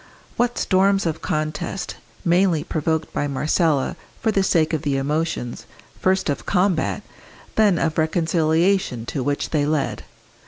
What storms of contest, mainly provoked by Marcella for the sake of the emotions, first of combat, then of reconciliation to which they led!